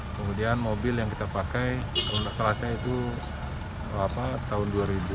kemudian mobil yang kita pakai kalau tidak salah saya itu tahun dua ribu enam belas dua ribu tujuh belas